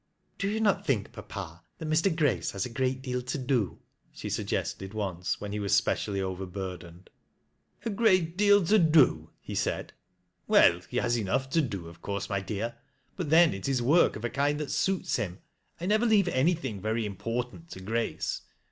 " Do you not think, papa, that Mr. Grace has a great deal to do?" she suggested once, when he was specially overburdened. " A great deal to do ?" he said. " Well, he has enough to do, of course, my dear, but then it is work of a kind that suits him. I never leave anything very important to Grace.